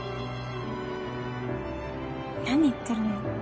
何言ってるの？